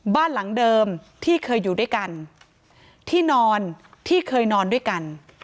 บ้านหลังเดิมที่เคยอยู่ด้วยกันที่นอนที่เคยนอนด้วยกัน